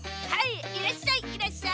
はい！